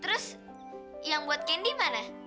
terus yang buat kendi mana